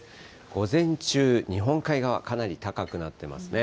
午前中、日本海側、かなり高くなってますね。